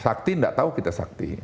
sakti tidak tahu kita sakti